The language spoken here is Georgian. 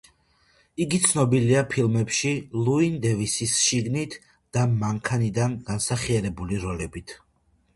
იგი ცნობილია ფილმებში „ლუინ დეივისის შიგნით“ და „მანქანიდან“ განსახიერებული როლებით.